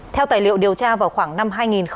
theo tài liệu điều tra vào khoảng năm hai nghìn một mươi